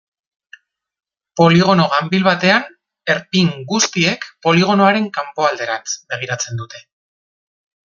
Poligono ganbil batean, erpin guztiek poligonoaren kanpoalderantz begiratzen dute.